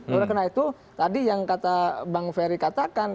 karena itu tadi yang kata bang ferry katakan